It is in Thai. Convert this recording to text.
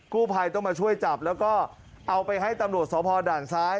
กู้ภัยต้องมาช่วยจับแล้วก็เอาไปให้ตำรวจสพด่านซ้าย